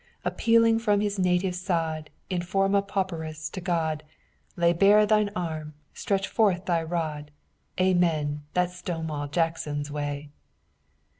Appealing from his native sod In forma pauperis to God Lay bare thine arm stretch forth thy rod, Amen! That's Stonewall Jackson's way."